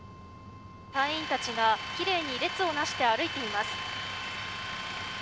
隊員たちがきれいに列をなして歩いています。